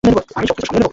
আমি সবকিছু সামলে নিব।